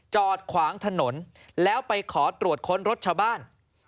จอดขวางถนนแล้วไปขอตรวจค้นรถชาวบ้าน